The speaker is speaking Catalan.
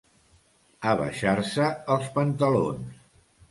Abaixar-se els pantalons.